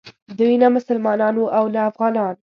دوی نه مسلمانان وو او نه افغانان.